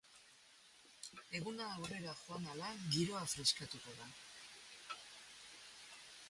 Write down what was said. Eguna aurrera joan ahala, giroa freskatuko da.